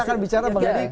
kita akan bicara mengenai